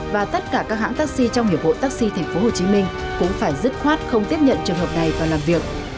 và tất cả các hãng taxi trong hiệp hội taxi tp hcm cũng phải dứt khoát không tiếp nhận trường hợp này vào làm việc